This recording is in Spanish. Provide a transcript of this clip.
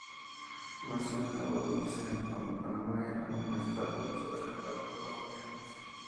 Nació en Aguadulce, cuando Panamá era aún un estado soberano de Colombia.